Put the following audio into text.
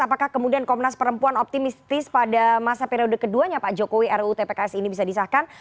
apakah kemudian komnas perempuan optimistis pada masa periode keduanya pak jokowi ruu tpks ini bisa disahkan